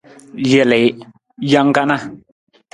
Jelii, jang kana.